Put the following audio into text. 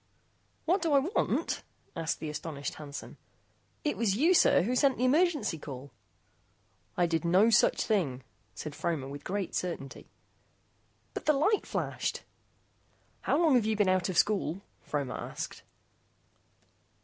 "What do I want?" asked the astonished Hansen. "It was you, sir, who sent the emergency call." "I did no such thing," said Fromer with great certainty. "But the light flashed " "How long have you been out of school?" Fromer asked.